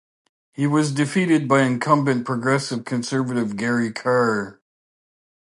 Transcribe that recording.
He was defeated by incumbent Progressive Conservative Gary Carr.